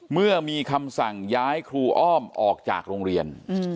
เมื่อมีคำสั่งย้ายครูอ้อมออกจากโรงเรียน